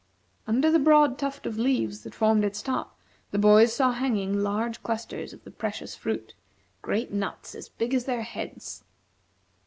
Under the broad tuft of leaves that formed its top, the boys saw hanging large clusters of the precious fruit; great nuts as big as their heads.